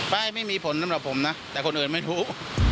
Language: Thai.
ไม่มีผลสำหรับผมนะแต่คนอื่นไม่รู้